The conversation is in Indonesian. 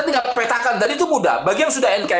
kita tinggal petakan dan itu mudah bagi yang sudah nkri